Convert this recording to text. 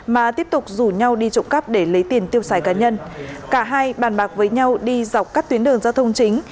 mà tiếp tục rủ nhau đi trộm cắp để lấy tiền tiêu xài cá nhân cả hai bàn bạc với nhau đi dọc các tuyến đường giao thông chính